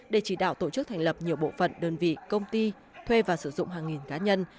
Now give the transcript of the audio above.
để chỉ đạo tổ chức thành lập nhiều bộ phận đơn vị công ty thuê và sử dụng hàng nghìn cá nhân